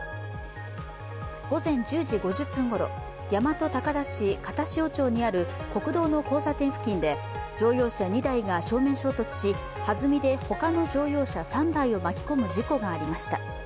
午前１０時５０分ごろ、大和高田市片塩町にある国道の交差点付近で乗用車２台が正面衝突し、はずみで他の乗用車３台を巻き込む事故がありました。